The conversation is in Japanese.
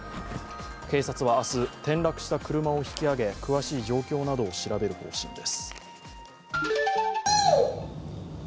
警察は明日、転落した車を引き上げ詳しい状況などを調べる方針です。